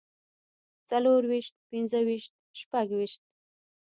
څلورويشت پنځويشت شپږويشت